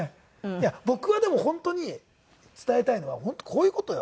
いや僕はでも本当に伝えたいのは本当こういう事よ。